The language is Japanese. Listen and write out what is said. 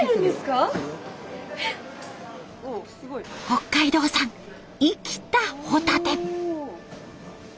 北海道産生きたホタテ。